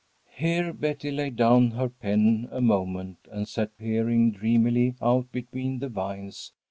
Here Betty laid down her pen a moment and sat peering dreamily out between the vines.